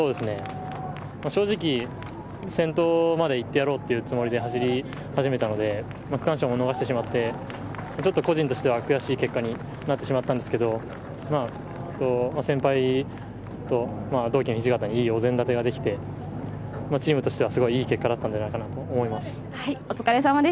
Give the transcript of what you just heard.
正直、先頭までいってやろうというつもりで走り始めたので区間賞も逃してしまって個人としては悔しい結果になってしまったんですけど先輩と同期の土方に、いいお膳立てができて、チームとしては、すごいいい結果だったんじゃないかと思います。